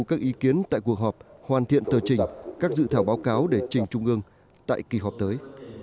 các ý kiến tại cuộc họp hoàn thiện tờ trình các dự thảo báo cáo để trình trung ương tại kỳ họp tới